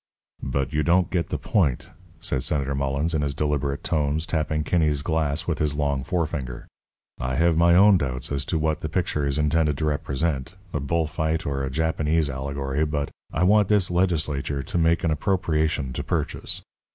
"But you don't get the point," said Senator Mullens, in his deliberate tones, tapping Kinney's glass with his long forefinger. "I have my own doubts as to what the picture is intended to represent, a bullfight or a Japanese allegory, but I want this legislature to make an appropriation to purchase.